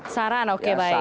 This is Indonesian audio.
saran oke baik